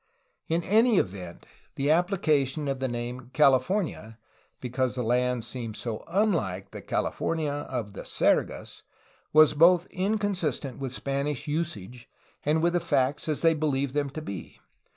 In any event the application of the name California because the land seemed so unlike the "California" of the Sergas was both inconsistent with Spanish usage and with the facts as they believed them to be.